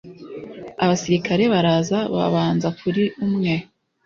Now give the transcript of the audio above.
Abasirikare baraza babanza kuri umwe